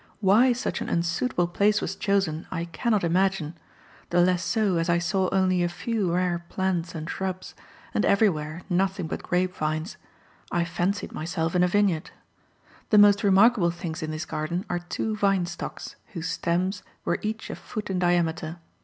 Why such an unsuitable place was chosen I cannot imagine; the less so as I saw only a few rare plants and shrubs, and everywhere nothing but grape vines; I fancied myself in a vineyard. The most remarkable things in this garden are two vine stocks, whose stems were each a foot in diameter.